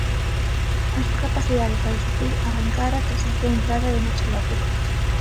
A súa capacidade para sufrir arrancara tras a fea entrada de Nacho López.